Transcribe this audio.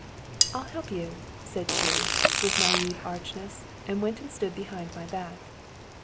"I'll help you!" said she, with naïve archness, and went and stood behind my back.